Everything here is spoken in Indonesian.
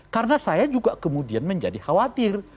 karena saya juga kemudian menjadi khawatir